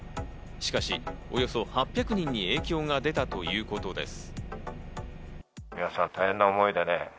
しかし、およそ８００人に影響が出たということです。